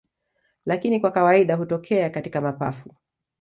Lakini kwa kawaida hutokea katika mapafu